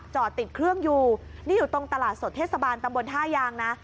จอดติดเครื่องอยู่นี่อยู่ตรงตลาดสดเทศบาลตำบลท่ายางนะ